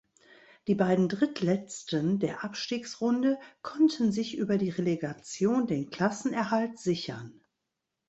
Die beiden Drittletzten der Abstiegsrunde konnten sich über die Relegation den Klassenerhalt sichern.